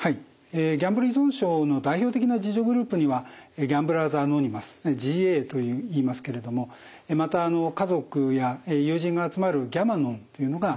ギャンブル依存症の代表的な自助グループにはギャンブラーズ・アノニマスＧＡといいますけれどもまた家族や友人が集まるギャマノンというのがあります。